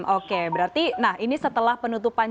oke berarti nah ini setelah penutupan